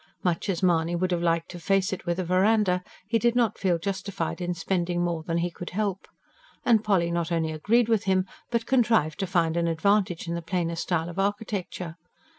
Much as Mahony would have liked to face it with a verandah, he did not feel justified in spending more than he could help. And Polly not only agreed with him, but contrived to find an advantage in the plainer style of architecture.